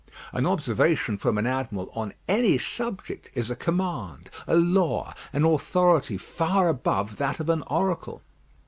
An observation from an admiral on any subject is a command, a law, an authority far above that of an oracle.